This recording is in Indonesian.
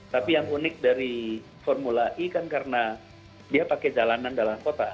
tapi yang unik dari formula e kan karena dia pakai jalanan dalam kota